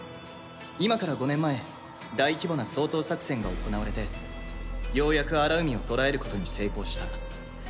今から５年前大規模な掃討作戦が行われてようやくアラウミを捕らえることに成功した。